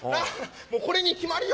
もうこれに決まりよ。